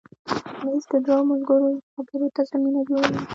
مېز د دوو ملګرو خبرو ته زمینه جوړوي.